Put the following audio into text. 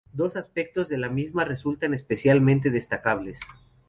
Dos aspectos de la misma resultan especialmente destacables.